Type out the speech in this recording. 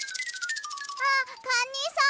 あっカニさん！